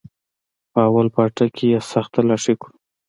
په اول پاټک کښې يې سخت تلاشي كړو.